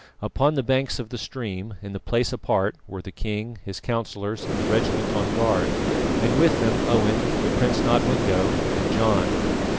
Upon the banks of the stream, in the place apart, were the king, his councillors and the regiment on guard, and with them Owen, the Prince Nodwengo and John.